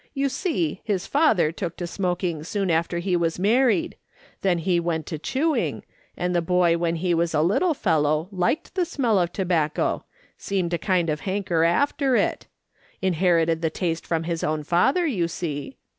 You seo, his father took to smoking soon after ]ie was niairied ; then lie went to cliewing, and the boy wlien lie was a little fellow liked the smell of tobacco, seemed to kind of hanker after it; inherited the taste from his own father, you see.